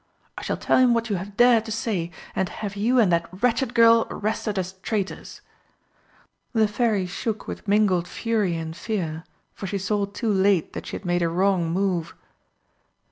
"I shall tell him what you have dared to say, and have you and that wretched girl arrested as traitors!" The Fairy shook with mingled fury and fear, for she saw too late that she had made a wrong move.